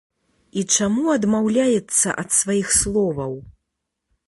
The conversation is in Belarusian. І чаму адмаўляецца ад сваіх словаў?